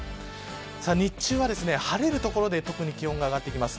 日中は晴れる所で特に気温が上がってきます。